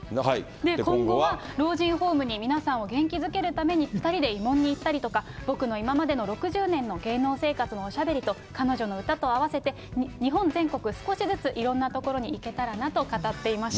今後は老人ホームに皆さんを元気づけるために、２人で慰問に行ったりとか、僕の今までの６０年の芸能生活のおしゃべりと、彼女の歌と合わせて、日本全国少しずついろんな所に行けたらなと語っていました。